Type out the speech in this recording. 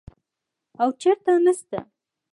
او چېرته نسته.